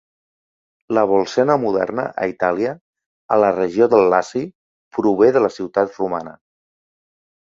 La Bolsena moderna, a Itàlia, a la regió del Laci, prové de la ciutat romana.